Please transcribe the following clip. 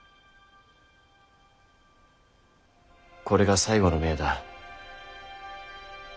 これが最後の命だ。